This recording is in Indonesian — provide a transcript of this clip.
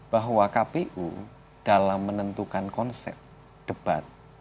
bahwa kpu dalam menentukan konsep debat